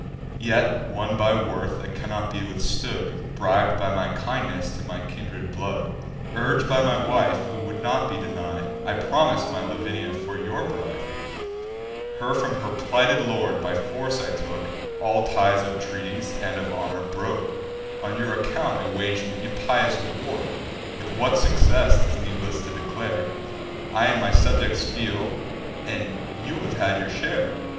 Yet, won by worth that cannot be withstood, Brib'd by my kindness to my kindred blood, Urg'd by my wife, who would not be denied, I promis'd my Lavinia for your bride: Her from her plighted lord by force I took; All ties of treaties, and of honour, broke: On your account I wag'd an impious war— With what success, 'tis needless to declare; I and my subjects feel, and you have had your share.